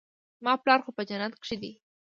زما پلار خو په جنت کښې دى.